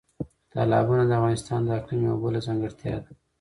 تالابونه د افغانستان د اقلیم یوه بله ځانګړتیا ده.